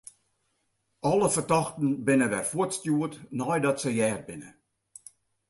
Alle fertochten binne wer fuortstjoerd neidat se heard binne.